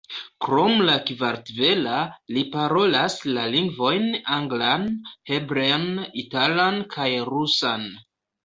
Krom la kartvela, li parolas la lingvojn anglan, hebrean, italan kaj rusan.